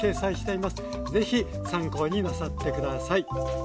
是非参考になさって下さい。